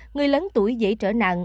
người lớn tuổi dễ trở nặng